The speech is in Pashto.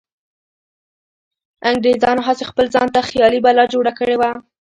انګریزانو هسې خپل ځانته خیالي بلا جوړه کړې وه.